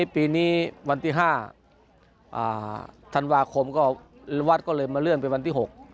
ปีนี้วันที่๕ธันวาคมก็วัดก็เลยมาเลื่อนเป็นวันที่๖